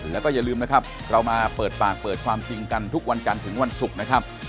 แล้วก็อย่าลืมนะครับเรามาเปิดปากเปิดความจริงกันทุกวันจันทร์ถึงวันศุกร์นะครับ